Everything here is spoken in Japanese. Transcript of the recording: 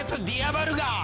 ディアバルガ？